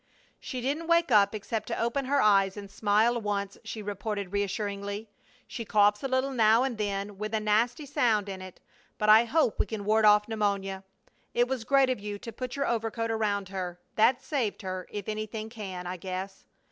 "She didn't wake up except to open her eyes and smile once," she reported, reassuringly. "She coughs a little now and then, with a nasty sound in it, but I hope we can ward off pneumonia. It was great of you to put your overcoat around her. That saved her, if anything can, I guess.